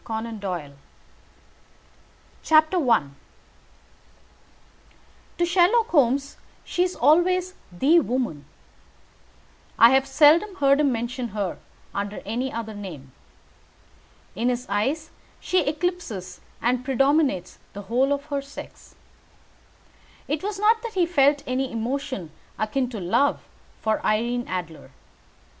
CONAN DOYLE I To Sherlock Holmes she is always the woman. I have seldom heard him mention her under any other name. In his eyes she eclipses and predominates the whole of her sex. It was not that he felt any emotion akin to love for Irene Adler.